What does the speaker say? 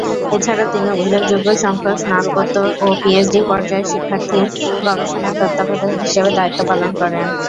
এছাড়া তিনি উল্লেখযোগ্য সংখ্যক স্নাতকোত্তর ও পিএইচডি পর্যায়ের শিক্ষার্থীর গবেষণা তত্ত্বাবধায়ক হিসেবে দায়িত্ব পালন করেন।